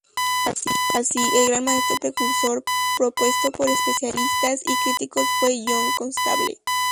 Así, el gran maestro precursor propuesto por especialistas y críticos fue John Constable.